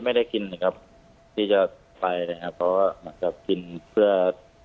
ไม่ได้กินนะครับที่จะไปนะครับเพราะว่าเหมือนกับกินเพื่อ